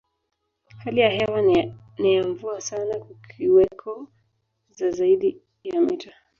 Hali ya hewa ni ya mvua sana kukiweko za zaidi ya mita